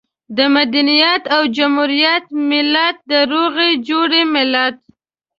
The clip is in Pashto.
د مدنيت او جمهوريت ملت، د روغې جوړې ملت.